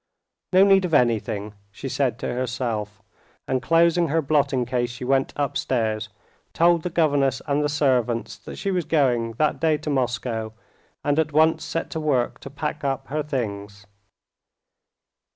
"No need of anything," she said to herself, and closing her blotting case she went upstairs, told the governess and the servants that she was going that day to Moscow, and at once set to work to pack up her things.